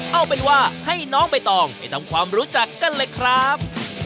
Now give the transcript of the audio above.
เอาเป็นว่าให้น้องใบตองไปทำความรู้จักกันเลยครับ